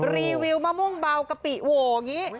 รีวิวมะม่วงเบากะปิโหวอย่างนี้